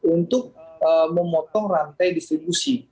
untuk memotong rantai distribusi